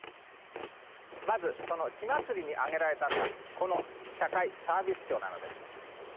まずその血祭りにあげられたのがこの社会サービス庁なのです。